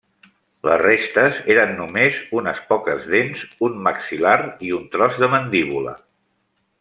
Les restes eren només unes poques dents, un maxil·lar i un tros de mandíbula.